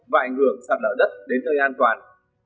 và ảnh hưởng sạt lở đất đến nơi an toàn